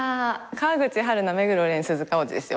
川口春奈目黒蓮鈴鹿央士ですよ